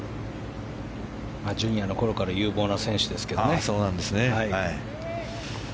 ジュニアのころから有望な選手ですけどね。